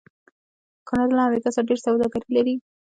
کاناډا له امریکا سره ډیره سوداګري لري.